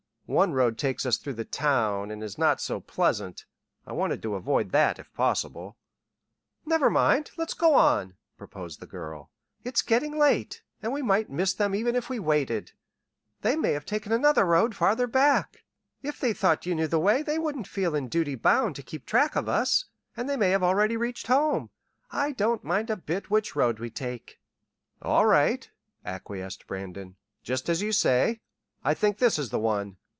One road takes us through the town and is not so pleasant. I wanted to avoid that if possible." "Never mind; let's go on," proposed the girl. "It's getting late, and we might miss them even if we waited. They may have taken another road farther back. If they thought you knew the way they wouldn't feel in duty bound to keep track of us, and they may have already reached home. I don't mind a bit which road we take." "All right," acquiesced Brandon. "Just as you say. I think this is the one.